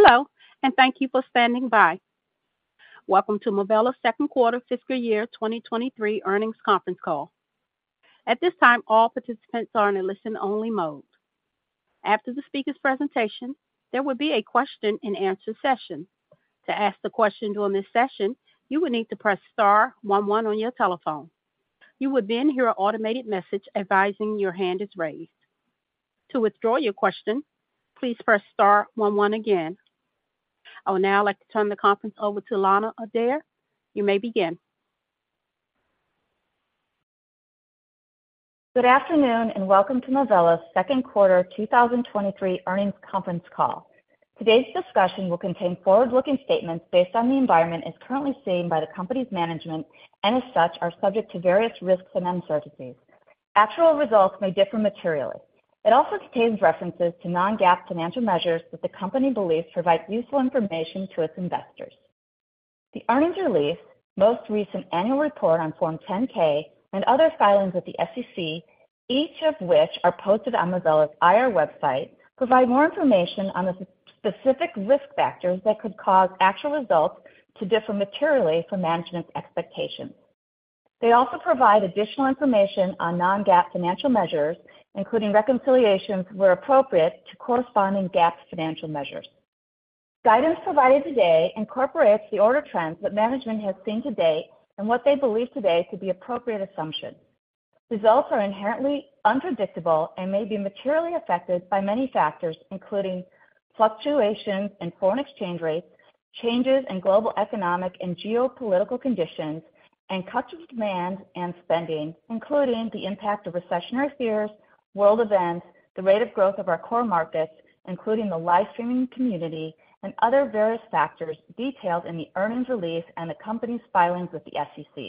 Hello, and thank you for standing by. Welcome to Movella's Second Quarter Fiscal Year 2023 Earnings Conference Call. At this time, all participants are in a listen-only mode. After the speaker's presentation, there will be a question-and-answer session. To ask the question during this session, you will need to press star one one on your telephone. You would then hear an automated message advising your hand is raised. To withdraw your question, please press star one one again. I would now like to turn the conference over to Lana Adair. You may begin. Good afternoon, and welcome to Movella's Second Quarter 2023 Earnings Conference Call. Today's discussion will contain forward-looking statements based on the environment as currently seen by the company's management, and as such, are subject to various risks and uncertainties. Actual results may differ materially. It also contains references to non-GAAP financial measures that the company believes provide useful information to its investors. The earnings release, most recent annual report on Form 10-K and other filings with the SEC, each of which are posted on Movella's IR website, provide more information on the specific risk factors that could cause actual results to differ materially from management's expectations. They also provide additional information on non-GAAP financial measures, including reconciliations, where appropriate, to corresponding GAAP financial measures. Guidance provided today incorporates the order trends that management has seen to date and what they believe today to be appropriate assumptions. Results are inherently unpredictable and may be materially affected by many factors, including fluctuations in foreign exchange rates, changes in global economic and geopolitical conditions, and customer demand and spending, including the impact of recessionary fears, world events, the rate of growth of our core markets, including the live streaming community and other various factors detailed in the earnings release and the company's filings with the SEC.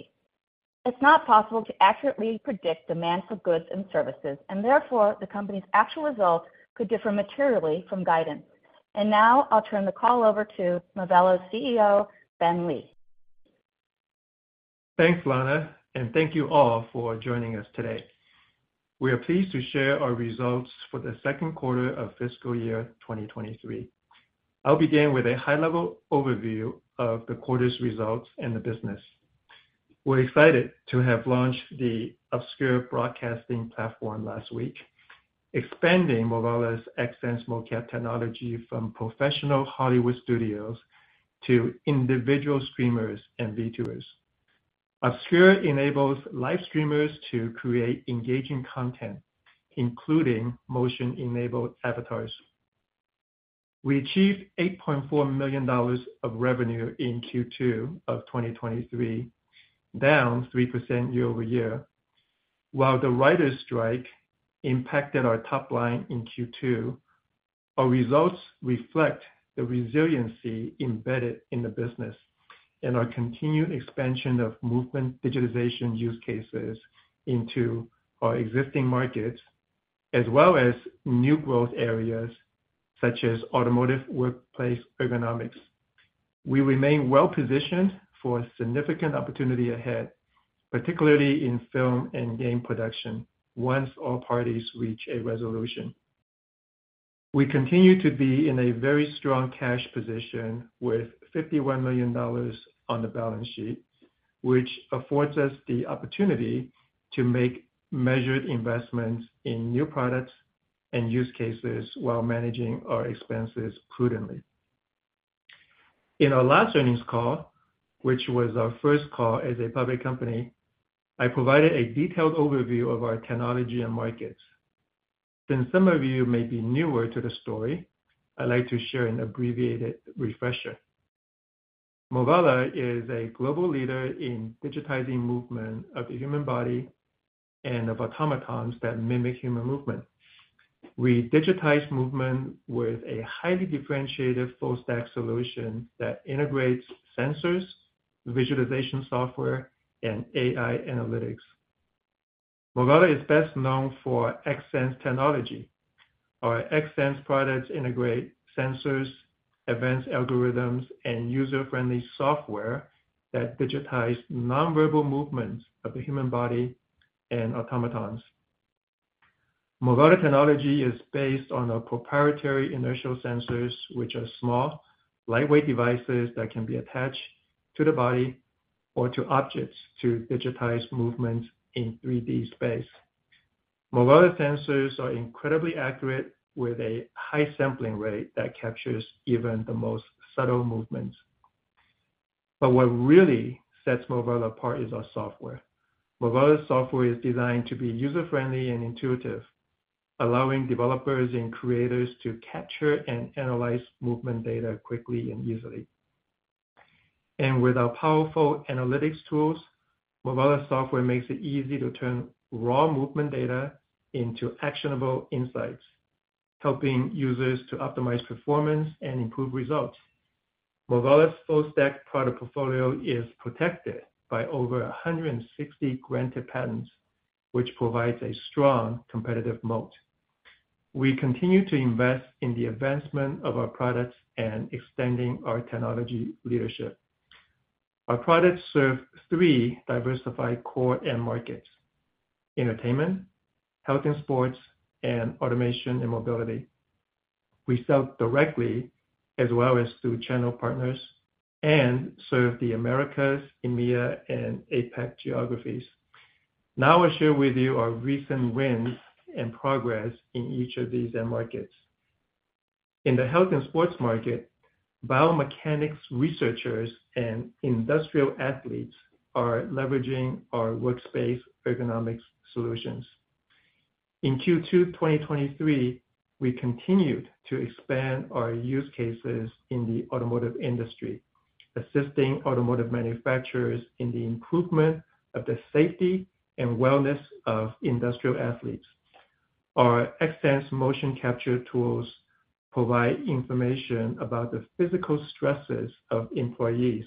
It's not possible to accurately predict demand for goods and services, and therefore, the company's actual results could differ materially from guidance. Now I'll turn the call over to Movella's CEO, Ben Lee. Thanks, Lana. Thank you all for joining us today. We are pleased to share our results for the second quarter of fiscal year 2023. I'll begin with a high-level overview of the quarter's results and the business. We're excited to have launched the OBSKUR broadcasting platform last week, expanding Movella's Xsens MoCap technology from professional Hollywood studios to individual streamers and YouTubers. OBSKUR enables live streamers to create engaging content, including motion-enabled avatars. We achieved $8.4 million of revenue in Q2 of 2023, down 3% year-over-year. While the writers strike impacted our top line in Q2, our results reflect the resiliency embedded in the business and our continued expansion of movement digitization use cases into our existing markets, as well as new growth areas such as automotive, workplace ergonomics. We remain well-positioned for significant opportunity ahead, particularly in film and game production, once all parties reach a resolution. We continue to be in a very strong cash position with $51 million on the balance sheet, which affords us the opportunity to make measured investments in new products and use cases while managing our expenses prudently. In our last Earnings Call, which was our first call as a public company, I provided a detailed overview of our technology and markets. Since some of you may be newer to the story, I'd like to share an abbreviated refresher. Movella is a global leader in digitizing movement of the human body and of automatons that mimic human movement. We digitize movement with a highly differentiated full-stack solution that integrates sensors, visualization software, and AI analytics. Movella is best known for Xsens technology. Our Xsens products integrate sensors, advanced algorithms, and user-friendly software that digitize non-verbal movements of the human body and automatons. Movella technology is based on our proprietary inertial sensors, which are small, lightweight devices that can be attached to the body or to objects to digitize movement in 3D space. Movella sensors are incredibly accurate, with a high sampling rate that captures even the most subtle movements. What really sets Movella apart is our software. Movella's software is designed to be user-friendly and intuitive, allowing developers and creators to capture and analyze movement data quickly and easily. With our powerful analytics tools, Movella software makes it easy to turn raw movement data into actionable insights, helping users to optimize performance and improve results. Movella's full-stack product portfolio is protected by over 160 granted patents, which provides a strong competitive moat. We continue to invest in the advancement of our products and extending our technology leadership.... Our products serve three diversified core end markets: entertainment, health and sports, and automation and mobility. We sell directly as well as through channel partners, serve the Americas, EMEA, and APAC geographies. Now I share with you our recent wins and progress in each of these end markets. In the health and sports market, biomechanics researchers and industrial athletes are leveraging our workspace ergonomics solutions. In Q2 2023, we continued to expand our use cases in the automotive industry, assisting automotive manufacturers in the improvement of the safety and wellness of industrial athletes. Our Xsens motion capture tools provide information about the physical stresses of employees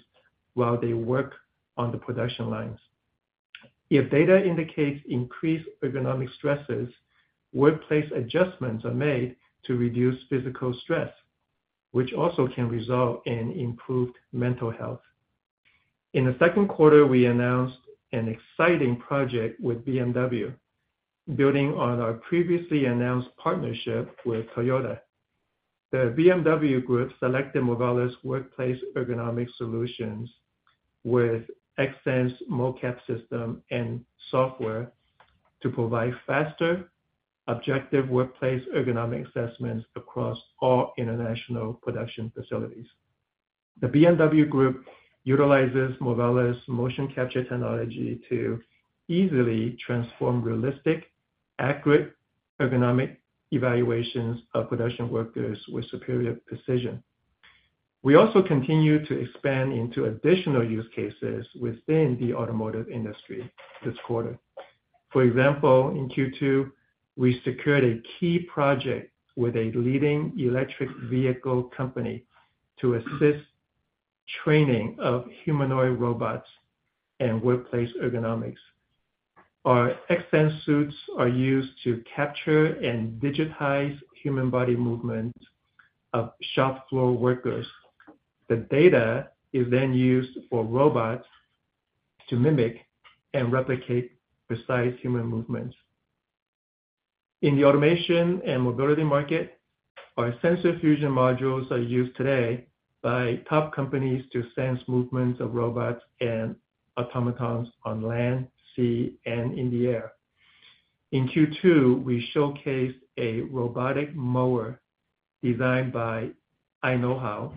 while they work on the production lines. If data indicates increased ergonomic stresses, workplace adjustments are made to reduce physical stress, which also can result in improved mental health. In the second quarter, we announced an exciting project with BMW, building on our previously announced partnership with Toyota. The BMW Group selected Movella's workplace ergonomic solutions with Xsens MoCap system and software to provide faster, objective workplace ergonomic assessments across all international production facilities. The BMW Group utilizes Movella's motion capture technology to easily transform realistic, accurate ergonomic evaluations of production workers with superior precision. We also continue to expand into additional use cases within the automotive industry this quarter. For example, in Q2, we secured a key project with a leading electric vehicle company to assist training of humanoid robots and workplace ergonomics. Our Xsens suits are used to capture and digitize human body movement of shop floor workers. The data is then used for robots to mimic and replicate precise human movements. In the automation and mobility market, our sensor fusion modules are used today by top companies to sense movements of robots and automatons on land, sea, and in the air. In Q2, we showcased a robotic mower designed by iKnowHow,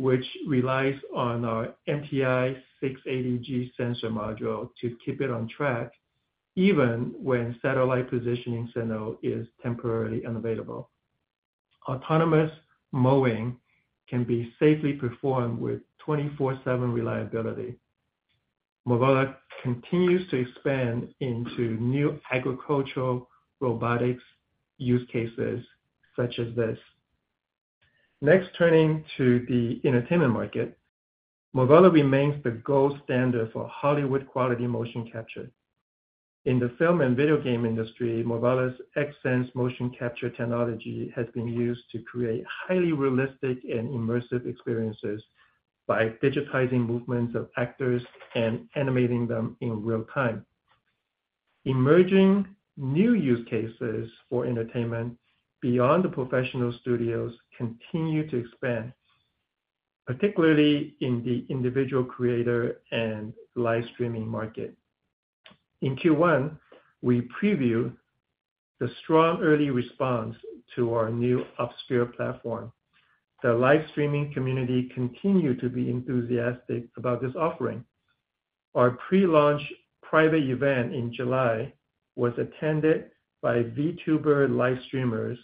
which relies on our MTi-680G sensor module to keep it on track, even when satellite positioning signal is temporarily unavailable. Autonomous mowing can be safely performed with 24/7 reliability. Movella continues to expand into new agricultural robotics use cases such as this. Next, turning to the entertainment market, Movella remains the gold standard for Hollywood-quality motion capture. In the film and video game industry, Movella's Xsens motion capture technology has been used to create highly realistic and immersive experiences by digitizing movements of actors and animating them in real time. Emerging new use cases for entertainment beyond the professional studios continue to expand, particularly in the individual creator and live streaming market. In Q1, we previewed the strong early response to our new OBSKUR platform. The live streaming community continued to be enthusiastic about this offering. Our pre-launch private event in July was attended by VTuber live streamers,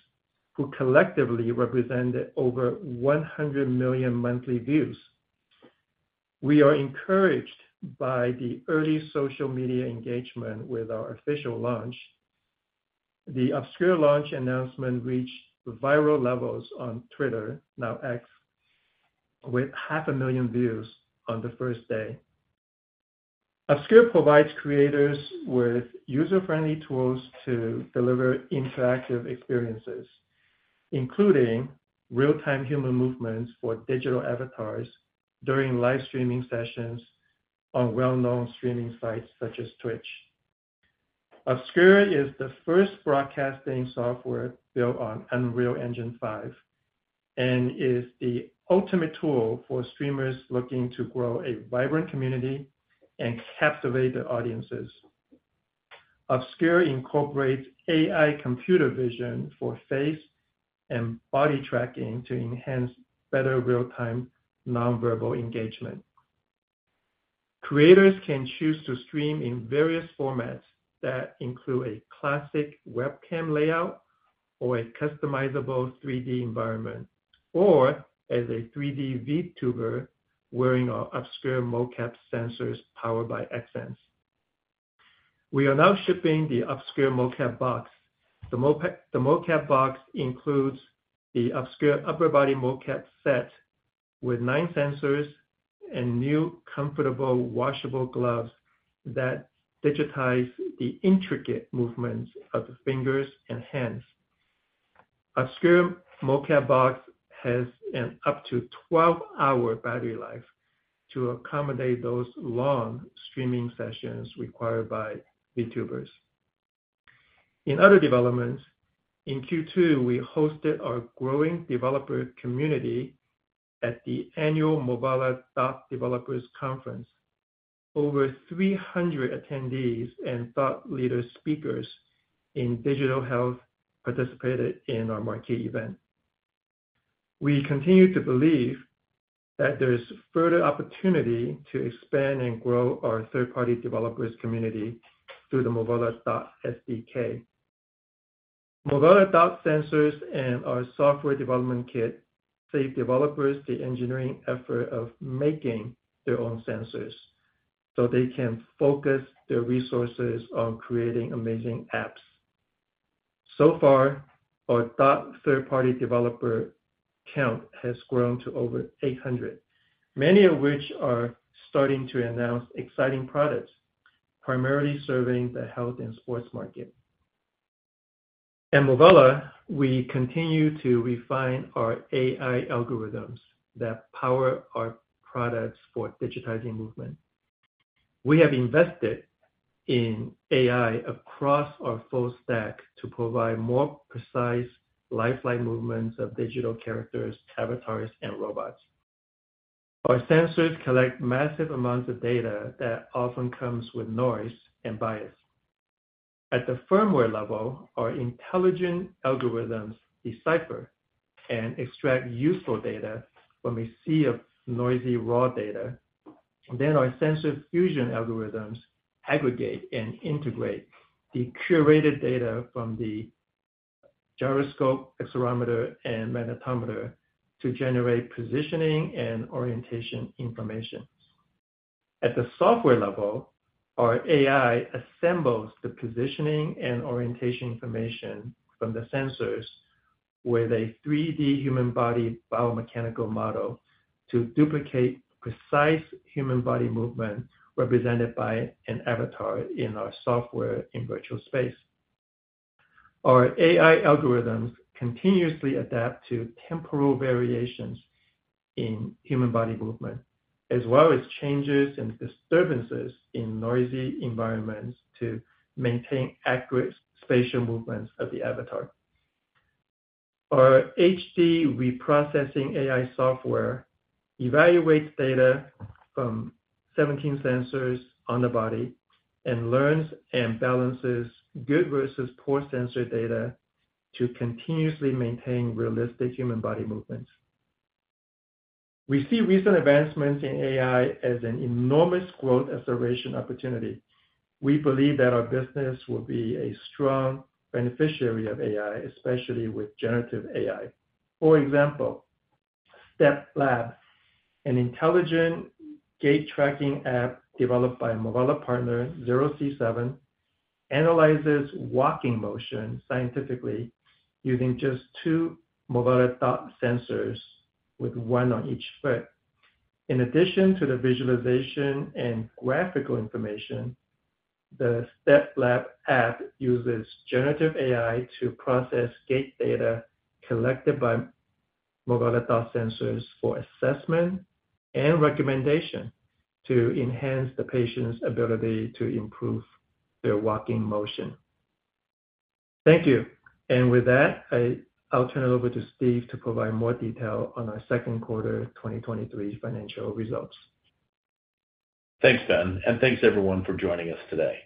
who collectively represented over 100 million monthly views. We are encouraged by the early social media engagement with our official launch. The OBSKUR launch announcement reached viral levels on Twitter, now X, with 500,000 views on the first day. OBSKUR provides creators with user-friendly tools to deliver interactive experiences, including real-time human movements for digital avatars during live streaming sessions on well-known streaming sites such as Twitch. OBSKUR is the first broadcasting software built on Unreal Engine 5 and is the ultimate tool for streamers looking to grow a vibrant community and captivate their audiences. OBSKUR incorporates AI computer vision for face and body tracking to enhance better real-time, non-verbal engagement. Creators can choose to stream in various formats that include a classic webcam layout or a customizable 3D environment, or as a 3D VTuber wearing our OBSKUR MoCap sensors powered by Xsens. We are now shipping the OBSKUR MoCap Box. The MoCap, the MoCap Box includes the OBSKUR upper body MoCap set with nine sensors and new, comfortable, washable gloves that digitize the intricate movements of the fingers and hands. Our OBSKUR MoCap Box has an up to 12-hour battery life to accommodate those long streaming sessions required by YouTubers. In other developments, in Q2, we hosted our growing developer community at the annual Movella DOT Developers Conference. Over 300 attendees and thought leader speakers in digital health participated in our marquee event. We continue to believe that there's further opportunity to expand and grow our third-party developers community through the Movella DOT SDK. Movella DOT sensors and our software development kit save developers the engineering effort of making their own sensors, so they can focus their resources on creating amazing apps. Far, our DOT third-party developer count has grown to over 800, many of which are starting to announce exciting products, primarily serving the health and sports market. At Movella, we continue to refine our AI algorithms that power our products for digitizing movement. We have invested in AI across our full stack to provide more precise, lifelike movements of digital characters, avatars, and robots. Our sensors collect massive amounts of data that often comes with noise and bias. At the firmware level, our intelligent algorithms decipher and extract useful data from a sea of noisy, raw data. Our sensor fusion algorithms aggregate and integrate the curated data from the gyroscope, accelerometer, and magnetometer to generate positioning and orientation information. At the software level, our AI assembles the positioning and orientation information from the sensors with a 3D human body biomechanical model to duplicate precise human body movement represented by an avatar in our software in virtual space. Our AI algorithms continuously adapt to temporal variations in human body movement, as well as changes and disturbances in noisy environments to maintain accurate spatial movements of the avatar. Our HD Reprocessing AI software evaluates data from 17 sensors on the body and learns and balances good versus poor sensor data to continuously maintain realistic human body movements. We see recent advancements in AI as an enormous growth observation opportunity. We believe that our business will be a strong beneficiary of AI, especially with generative AI. For example, StepLab, an intelligent gait tracking app developed by Movella partner, Zero C-Seven, analyzes walking motion scientifically using just two Movella DOT sensors with one on each foot. In addition to the visualization and graphical information, the StepLab app uses generative AI to process gait data collected by Movella DOT sensors for assessment and recommendation to enhance the patient's ability to improve their walking motion. Thank you. With that, I'll turn it over to Steve to provide more detail on our second quarter 2023 financial results. Thanks, Ben. Thanks everyone for joining us today.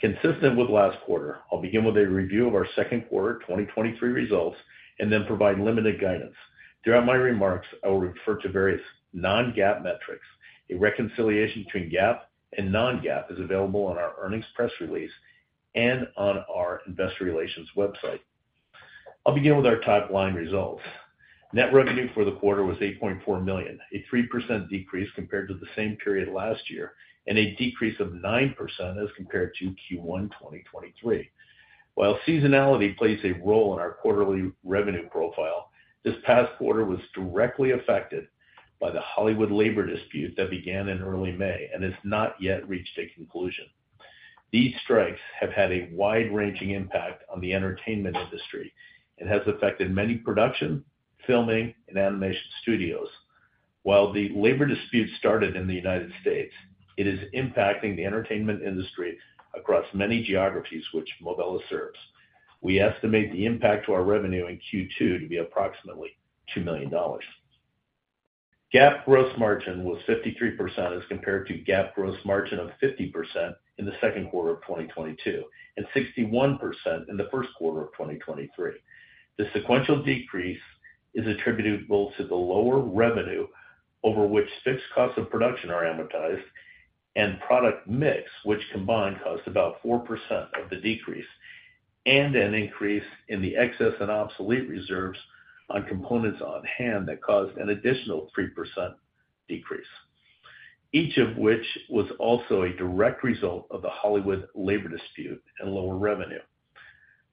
Consistent with last quarter, I'll begin with a review of our second quarter 2023 results and then provide limited guidance. Throughout my remarks, I will refer to various non-GAAP metrics. A reconciliation between GAAP and non-GAAP is available on our earnings press release and on our investor relations website. I'll begin with our top-line results. Net revenue for the quarter was $8.4 million, a 3% decrease compared to the same period last year, and a decrease of 9% as compared to Q1 2023. While seasonality plays a role in our quarterly revenue profile, this past quarter was directly affected by the Hollywood labor dispute that began in early May and has not yet reached a conclusion. These strikes have had a wide-ranging impact on the entertainment industry and has affected many production, filming, and animation studios. While the labor dispute started in the United States, it is impacting the entertainment industry across many geographies which Movella serves. We estimate the impact to our revenue in Q2 to be approximately $2 million. GAAP gross margin was 53% as compared to GAAP gross margin of 50% in the second quarter of 2022, and 61% in the first quarter of 2023. The sequential decrease is attributable to the lower revenue over which fixed costs of production are amortized and product mix, which combined cost about 4% of the decrease, and an increase in the excess and obsolete reserves on components on hand that caused an additional 3% decrease, each of which was also a direct result of the Hollywood labor dispute and lower revenue.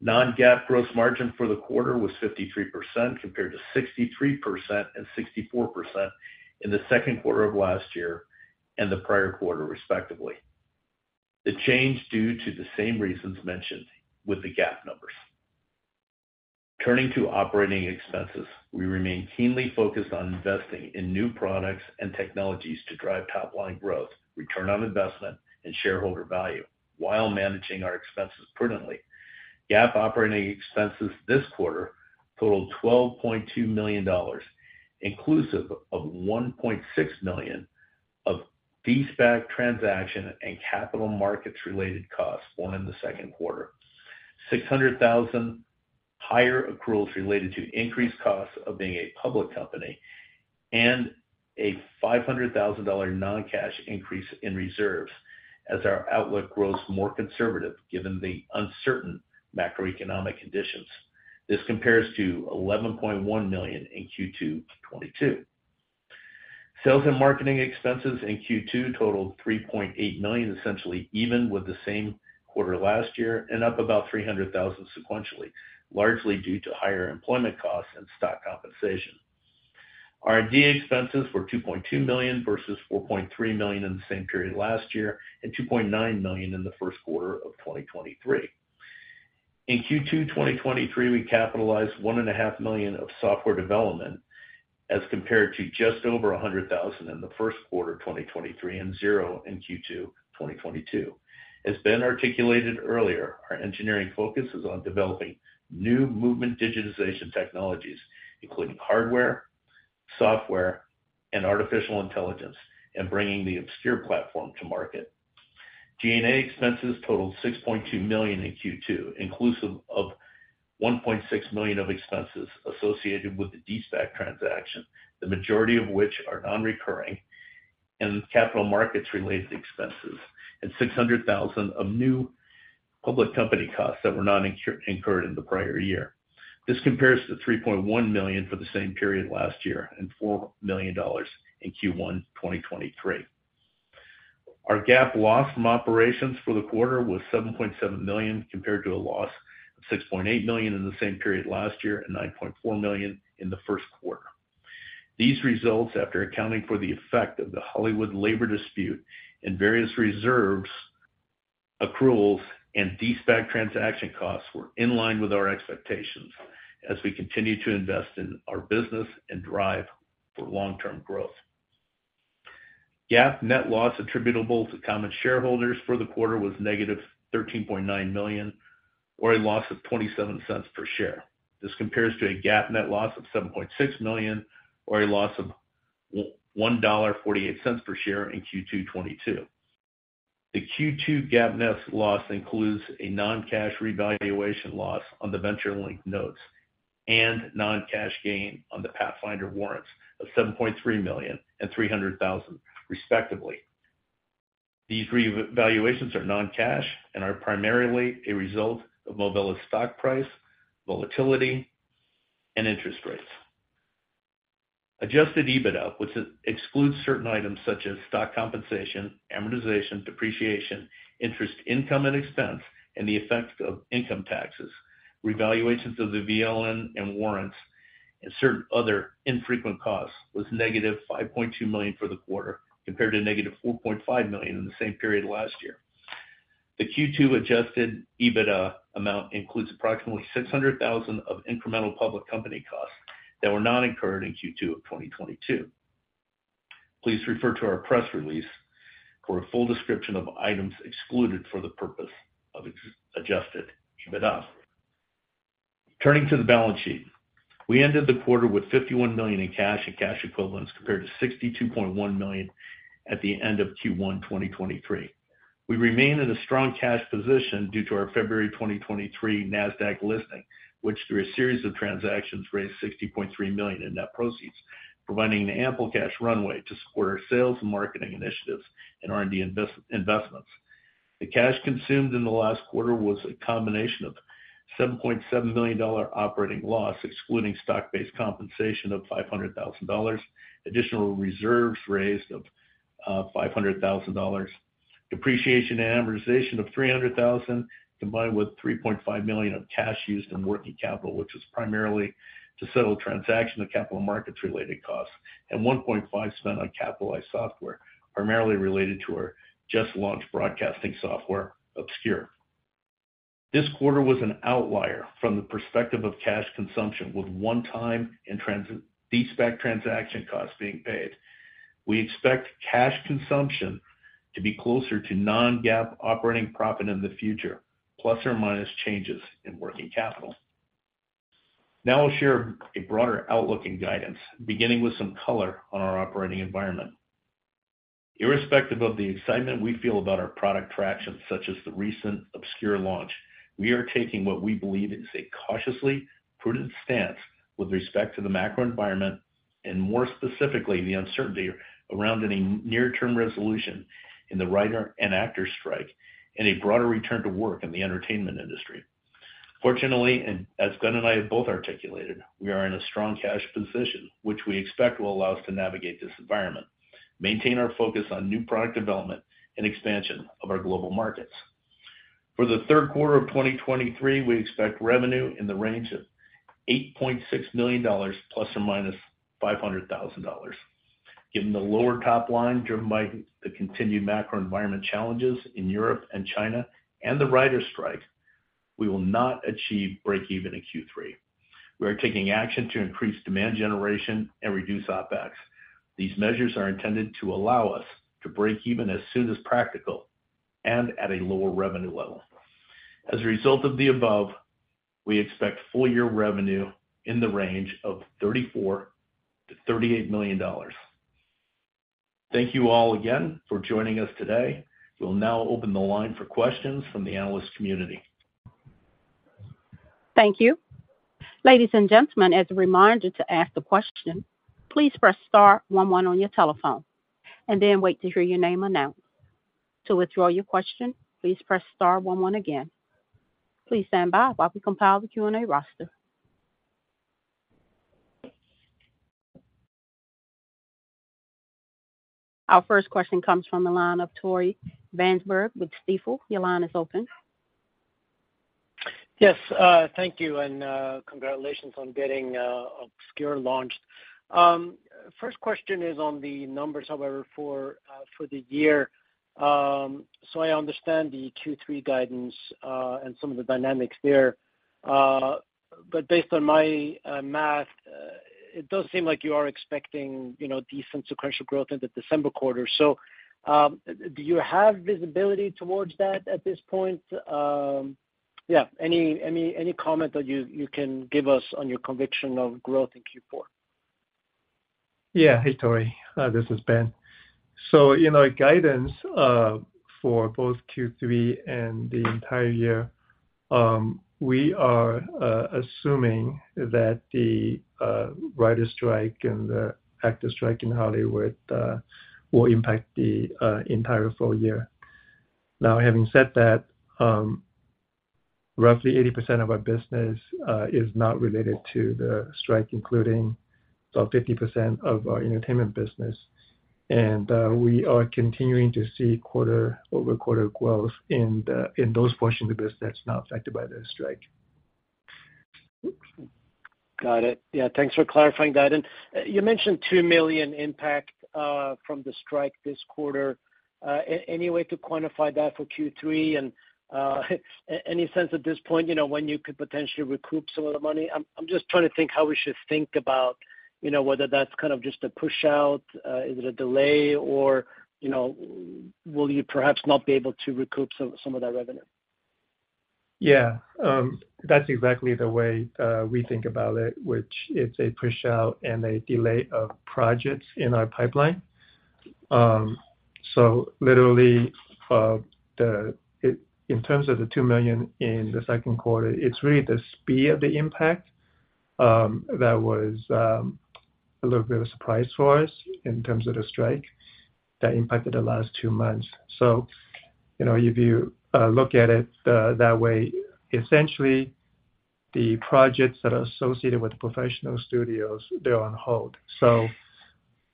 Non-GAAP gross margin for the quarter was 53%, compared to 63% and 64% in the second quarter of last year and the prior quarter, respectively. The change due to the same reasons mentioned with the GAAP numbers. Turning to operating expenses, we remain keenly focused on investing in new products and technologies to drive top-line growth, return on investment, and shareholder value, while managing our expenses prudently. GAAP operating expenses this quarter totaled $12.2 million, inclusive of $1.6 million of de-SPAC transaction and capital markets-related costs won in the second quarter, $600,000 higher accruals related to increased costs of being a public company, and a $500,000 non-cash increase in reserves as our outlook grows more conservative, given the uncertain macroeconomic conditions. This compares to $11.1 million in Q2 2022. Sales and marketing expenses in Q2 totaled $3.8 million, essentially even with the same quarter last year, and up about $300,000 sequentially, largely due to higher employment costs and stock compensation. R&D expenses were $2.2 million versus $4.3 million in the same period last year, and $2.9 million in the first quarter of 2023. In Q2 2023, we capitalized $1.5 million of software development as compared to just over $100,000 in Q1 2023, and zero in Q2 2022. As Ben articulated earlier, our engineering focus is on developing new movement digitization technologies, including hardware, software, and artificial intelligence, and bringing the OBSKUR platform to market. G&A expenses totaled $6.2 million in Q2, inclusive of $1.6 million of expenses associated with the de-SPAC transaction, the majority of which are non-recurring, and capital markets-related expenses, and $600,000 of new public company costs that were not incurred in the prior year. This compares to $3.1 million for the same period last year and $4 million in Q1 2023. Our GAAP loss from operations for the quarter was $7.7 million, compared to a loss of $6.8 million in the same period last year and $9.4 million in the first quarter. These results, after accounting for the effect of the Hollywood labor dispute and various reserves, accruals, and de-SPAC transaction costs, were in line with our expectations as we continue to invest in our business and drive for long-term growth. GAAP net loss attributable to common shareholders for the quarter was -$13.9 million, or a loss of $0.27 per share. This compares to a GAAP net loss of $7.6 million, or a loss of $1.48 per share in Q2 '22. The Q2 GAAP net loss includes a non-cash revaluation loss on the venture-linked notes and non-cash gain on the Pathfinder warrants of $7.3 million and $300,000, respectively. These revaluations are non-cash and are primarily a result of Movella's stock price, volatility, and interest rates. Adjusted EBITDA, which excludes certain items such as stock compensation, amortization, depreciation, interest, income and expense, and the effects of income taxes, revaluations of the VLN and warrants, and certain other infrequent costs, was -$5.2 million for the quarter, compared to -$4.5 million in the same period last year. The Q2 Adjusted EBITDA amount includes approximately $600,000 of incremental public company costs that were not incurred in Q2 of 2022. Please refer to our press release for a full description of items excluded for the purpose of Adjusted EBITDA. Turning to the balance sheet. We ended the quarter with $51 million in cash and cash equivalents, compared to $62.1 million at the end of Q1 2023. We remain in a strong cash position due to our February 2023 Nasdaq listing, which, through a series of transactions, raised $60.3 million in net proceeds, providing an ample cash runway to support our sales and marketing initiatives and R&D investments. The cash consumed in the last quarter was a combination of $7.7 million operating loss, excluding stock-based compensation of $500,000, additional reserves raised of $500,000, depreciation and amortization of $300,000, combined with $3.5 million of cash used in working capital, which was primarily to settle transaction and capital markets related costs, and $1.5 million spent on capitalized software, primarily related to our just-launched broadcasting software, OBSKUR. This quarter was an outlier from the perspective of cash consumption, with one-time and transit de-SPAC transaction costs being paid. We expect cash consumption to be closer to non-GAAP operating profit in the future, plus or minus changes in working capital. Now I'll share a broader outlook and guidance, beginning with some color on our operating environment. Irrespective of the excitement we feel about our product traction, such as the recent OBSKUR launch, we are taking what we believe is a cautiously prudent stance with respect to the macro environment and more specifically, the uncertainty around any near-term resolution in the writer and actors strike and a broader return to work in the entertainment industry. Fortunately, and as Glenn and I have both articulated, we are in a strong cash position, which we expect will allow us to navigate this environment, maintain our focus on new product development, and expansion of our global market. ...For the third quarter of 2023, we expect revenue in the range of $8.6 million ±$500,000. Given the lower top line, driven by the continued macro environment challenges in Europe and China and the writers' strike, we will not achieve breakeven in Q3. We are taking action to increase demand generation and reduce OpEx. These measures are intended to allow us to break even as soon as practical and at a lower revenue level. As a result of the above, we expect full year revenue in the range of $34 million-$38 million. Thank you all again for joining us today. We'll now open the line for questions from the analyst community. Thank you. Ladies and gentlemen, as a reminder to ask a question, please press star one one on your telephone and then wait to hear your name announced. To withdraw your question, please press star one one again. Please stand by while we compile the Q&A roster. Our first question comes from the line of Tore Svanberg with Stifel. Your line is open. Yes, thank you, and congratulations on getting OBSKUR launched. First question is on the numbers, however, for the year. I understand the Q3 guidance and some of the dynamics there, but based on my math, it does seem like you are expecting, you know, decent sequential growth in the December quarter. Do you have visibility towards that at this point? Yeah, any comment that you, you can give us on your conviction of growth in Q4? Yeah. Hey, Tore, this is Ben. You know, guidance for both Q3 and the entire year, we are assuming that the writers' strike and the actors' strike in Hollywood will impact the entire full year. Now, having said that, roughly 80% of our business is not related to the strike, including about 50% of our entertainment business. We are continuing to see quarter-over-quarter growth in the, in those portions of the business that's not affected by the strike. Got it. Yeah, thanks for clarifying that. You mentioned $2 million impact from the strike this quarter. Any way to quantify that for Q3? Any sense at this point, you know, when you could potentially recoup some of the money? I'm just trying to think how we should think about, you know, whether that's kind of just a push out, is it a delay, or, you know, will you perhaps not be able to recoup some of that revenue? Yeah. That's exactly the way we think about it, which it's a push out and a delay of projects in our pipeline. Literally, in terms of the $2 million in the second quarter, it's really the speed of the impact that was a little bit of a surprise for us in terms of the strike that impacted the last two months. You know, if you look at it that way, essentially, the projects that are associated with professional studios, they're on hold.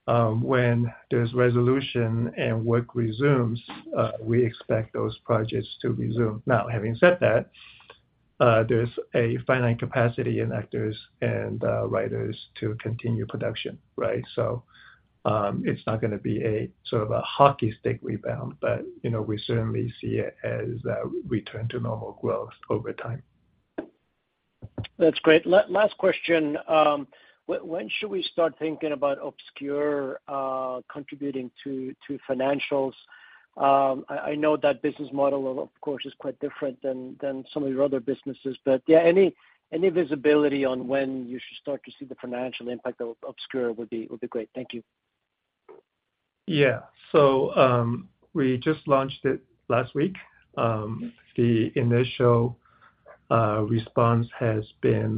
When there's resolution and work resumes, we expect those projects to resume. Now, having said that, there's a finite capacity in actors and writers to continue production, right? It's not gonna be a sort of a hockey stick rebound, but, you know, we certainly see it as a return to normal growth over time. That's great. Last question. When should we start thinking about OBSKUR contributing to financials? I know that business model, of course, is quite different than some of your other businesses, but yeah, any, any visibility on when you should start to see the financial impact of OBSKUR would be, would be great. Thank you. Yeah. We just launched it last week. The initial response has been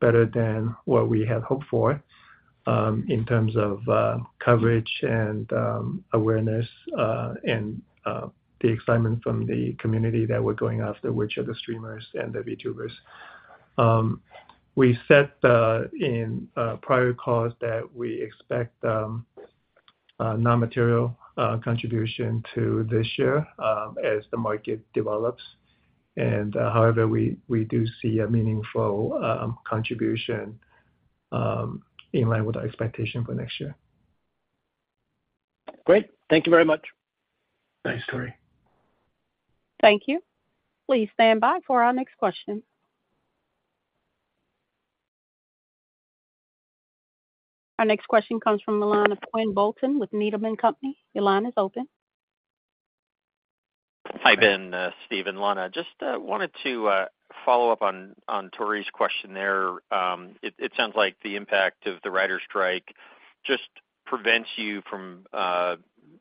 better than what we had hoped for, in terms of coverage and awareness, and the excitement from the community that we're going after, which are the streamers and the YouTubers. We said in prior calls that we expect non-material contribution to this year, as the market develops. However, we, we do see a meaningful contribution in line with our expectation for next year. Great. Thank you very much. Thanks, Tore. Thank you. Please stand by for our next question. Our next question comes from the line of Quinn Bolton with Needham & Company. Your line is open. Hi, Ben, Steve and Lana. Just wanted to follow up on Tore's question there. It sounds like the impact of the writers' strike just prevents you from,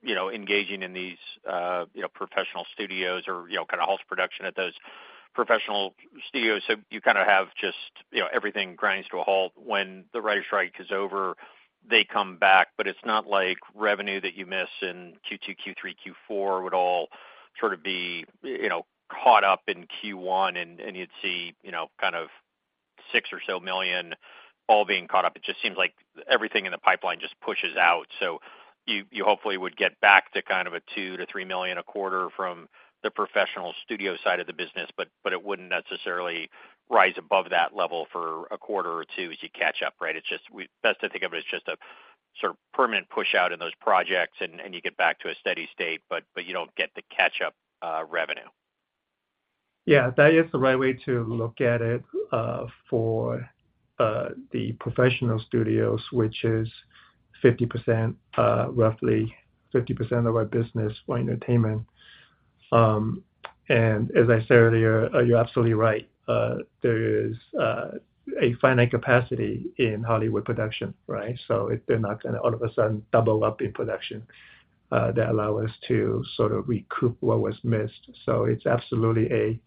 you know, engaging in these, you know, professional studios or, you know, kind of halts production at those professional studios. You kind of have just, you know, everything grinds to a halt. When the writers' strike is over, they come back, but it's not like revenue that you miss in Q2, Q3, Q4 would all sort of be, you know, caught up in Q1, and you'd see, you know, $6 million all being caught up. It just seems like everything in the pipeline just pushes out. You, you hopefully would get back to kind of a $2 million-$3 million a quarter from the professional studio side of the business, but, but it wouldn't necessarily rise above that level for a quarter or two as you catch up, right? It's just best to think of it as just a sort of permanent push out in those projects, and, and you get back to a steady state, but, but you don't get the catch up revenue. Yeah, that is the right way to look at it, for the professional studios, which is 50%, roughly 50% of our business for entertainment. As I said earlier, you're absolutely right. There is a finite capacity in Hollywood production, right? They're not gonna all of a sudden double up in production that allow us to sort of recoup what was missed. It's absolutely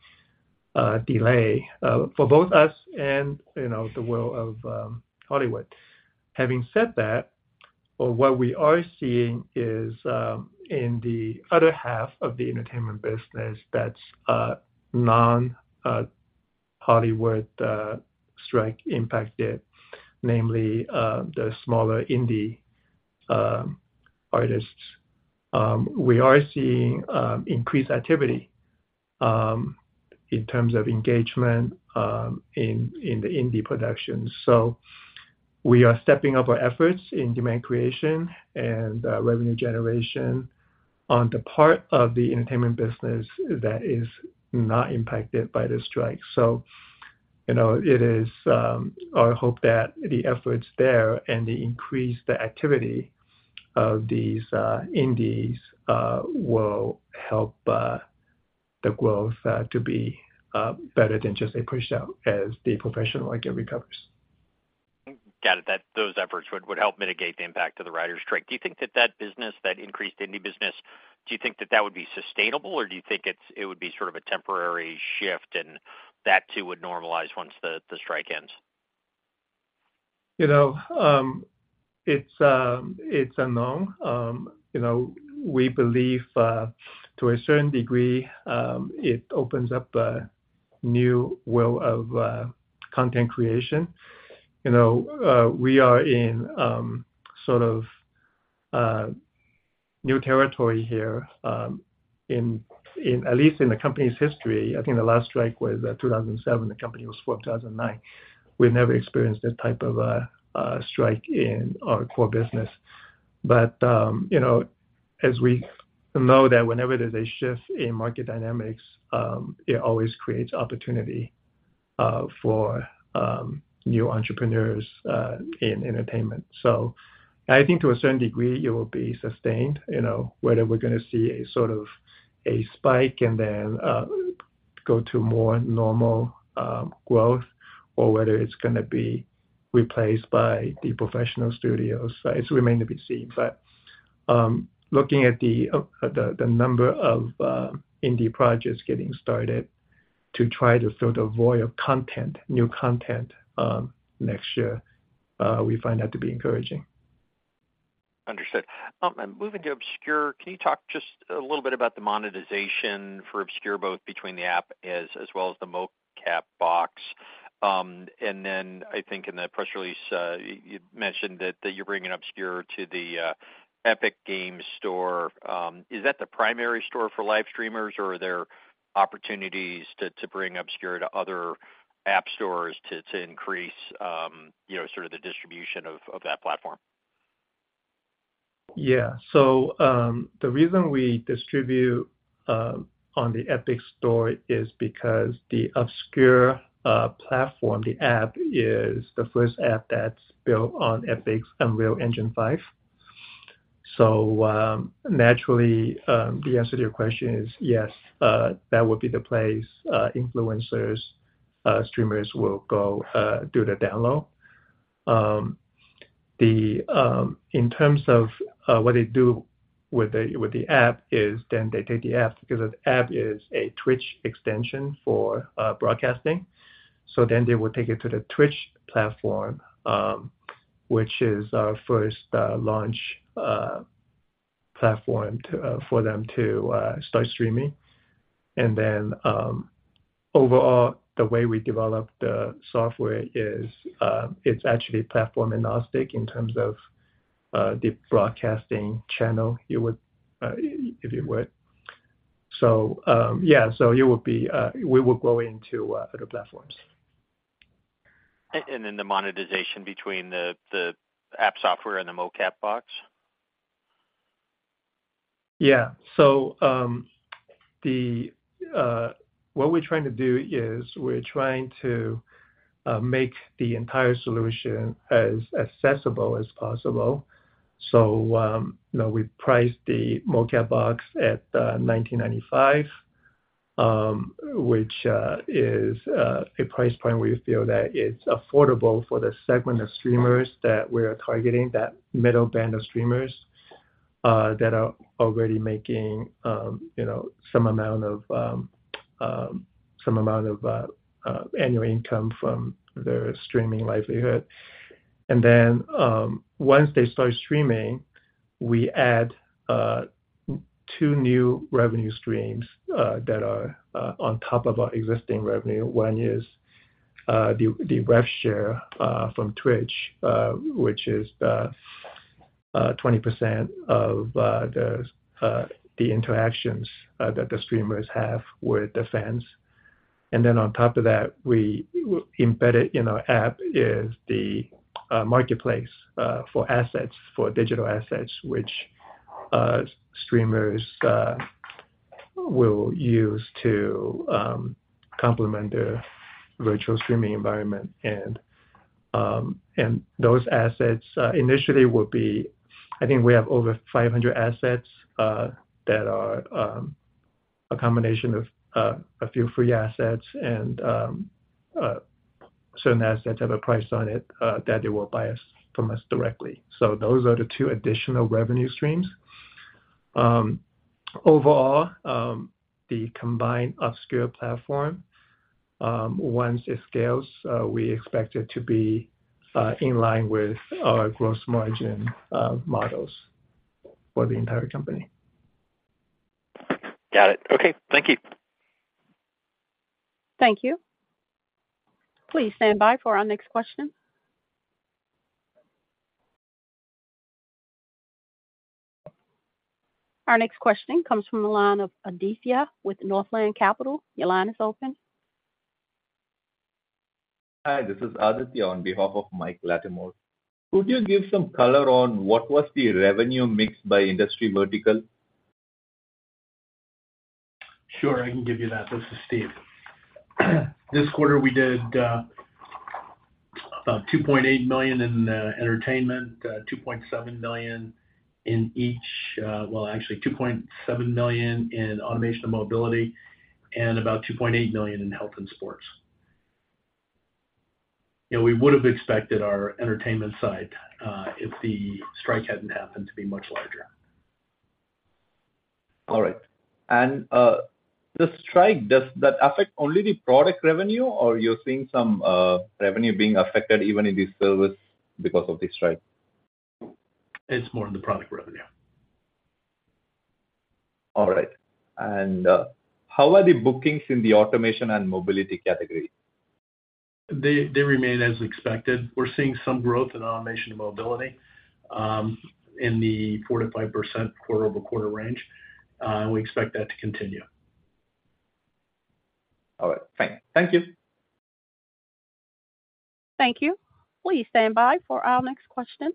a delay for both us and, you know, the world of Hollywood. Having said that, what we are seeing is in the other half of the entertainment business, that's non Hollywood strike impacted, namely, the smaller indie artists. We are seeing increased activity in terms of engagement in the indie production. We are stepping up our efforts in demand creation and revenue generation on the part of the entertainment business that is not impacted by the strike. You know, it is our hope that the efforts there and the increase, the activity of these indies will help the growth to be better than just a push out as the professional market recovers. Got it. That those efforts would, would help mitigate the impact of the writers' strike. Do you think that that business, that increased indie business, do you think that that would be sustainable, or do you think it's, it would be sort of a temporary shift and that too, would normalize once the, the strike ends? You know, it's, it's unknown. You know, we believe to a certain degree, it opens up a new world of content creation. You know, we are in sort of new territory here, in, in at least in the company's history. I think the last strike was 2007. The company was formed 2009. We've never experienced this type of strike in our core business. You know, as we know that whenever there's a shift in market dynamics, it always creates opportunity for new entrepreneurs in entertainment. I think to a certain degree, it will be sustained. You know, whether we're gonna see a sort of a spike and then, go to more normal, growth, or whether it's gonna be replaced by the professional studios, it's remain to be seen. Looking at the, the, the number of, indie projects getting started to try to fill the void of content, new content, next year, we find that to be encouraging. Understood. And moving to OBSKUR, can you talk just a little bit about the monetization for OBSKUR, both between the app as, as well as the MoCap box? Then I think in the press release, you mentioned that you're bringing OBSKUR to the Epic Games Store. Is that the primary store for live streamers, or are there opportunities to bring OBSKUR to other app stores to increase, you know, sort of the distribution of that platform? Yeah. The reason we distribute on the Epic Games Store is because the OBSKUR platform, the app, is the first app that's built on Epic Games' Unreal Engine 5. Naturally, the answer to your question is yes, that would be the place influencers, streamers will go do the download. The in terms of what they do with the with the app is then they take the app, because the app is a Twitch extension for broadcasting. Then they will take it to the Twitch platform, which is our first launch platform to for them to start streaming. Then, overall, the way we develop the software is it's actually platform-agnostic in terms of the broadcasting channel, it would if you would. Yeah, so it will be, we will go into, other platforms. Then the monetization between the app software and the MoCap box? Yeah. What we're trying to do is we're trying to make the entire solution as accessible as possible. You know, we priced the MoCap box at $1,995, which is a price point we feel that it's affordable for the segment of streamers that we're targeting, that middle band of streamers, that are already making, you know, some amount of, some amount of, annual income from their streaming livelihood. Then, once they start streaming, we add two new revenue streams that are on top of our existing revenue. One is the, the rev share from Twitch, which is 20% of the, the interactions that the streamers have with the fans. Then on top of that, we embedded in our app is the marketplace for assets, for digital assets, which streamers will use to complement their virtual streaming environment. Those assets initially will be -- I think we have over 500 assets that are a combination of a few free assets and certain assets have a price on it that they will buy us, from us directly. So those are the two additional revenue streams. Overall, the combined UpSkill platform, once it scales, we expect it to be in line with our gross margin models for the entire company. Got it. Okay. Thank you. Thank you. Please stand by for our next question. Our next question comes from the line of Aditya with Northland Capital. Your line is open. Hi, this is Aditya on behalf of Mike Latimore. Could you give some color on what was the revenue mix by industry vertical? Sure, I can give you that. This is Steve. This quarter, we did, about $2.8 million in entertainment, $2.7 million in each, well, actually, $2.7 million in automation and mobility, and about $2.8 million in health and sports. You know, we would have expected our entertainment side, if the strike hadn't happened, to be much larger. All right. The strike, does that affect only the product revenue, or you're seeing some, revenue being affected even in the service because of the strike? It's more in the product revenue. All right. How are the bookings in the automation and mobility category? They, they remain as expected. We're seeing some growth in automation and mobility in the 4%-5% quarter-over-quarter range. We expect that to continue. All right. Thank, thank you. Thank you. Please stand by for our next question.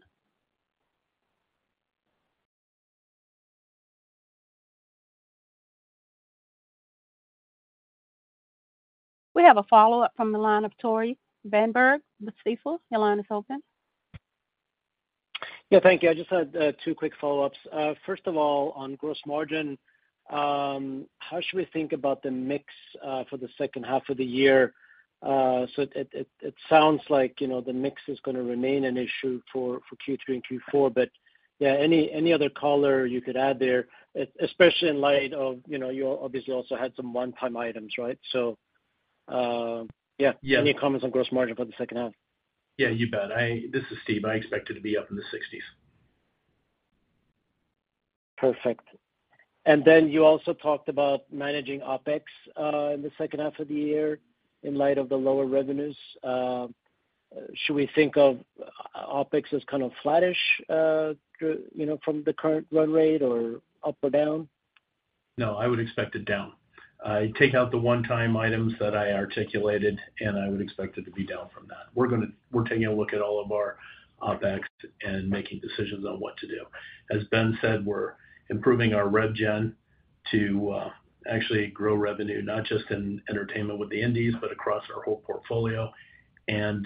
We have a follow-up from the line of Tore Svanberg with Stifel. Your line is open. Yeah, thank you. I just had two quick follow-ups. First of all, on gross margin, how should we think about the mix for the second half of the year? It, it, it sounds like, you know, the mix is gonna remain an issue for, for Q3 and Q4, but, yeah, any, any other color you could add there, especially in light of, you know, you obviously also had some one-time items, right? Yeah. Yeah. Any comments on gross margin for the second half? Yeah, you bet. This is Steve. I expect it to be up in the sixties. Perfect. Then you also talked about managing OpEx in the second half of the year in light of the lower revenues. Should we think of OpEx as kind of flattish, you know, from the current run rate or up or down? No, I would expect it down. I take out the one-time items that I articulated, and I would expect it to be down from that. We're taking a look at all of our OpEx and making decisions on what to do. As Ben said, we're improving our rev gen to actually grow revenue, not just in entertainment with the indies, but across our whole portfolio and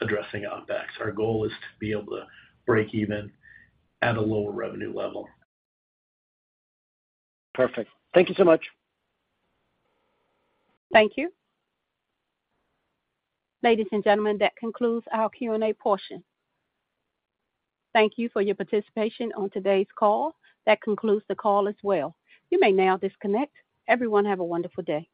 addressing OpEx. Our goal is to be able to break even at a lower revenue level. Perfect. Thank you so much. Thank you. Ladies and gentlemen, that concludes our Q&A portion. Thank you for your participation on today's call. That concludes the call as well. You may now disconnect. Everyone, have a wonderful day.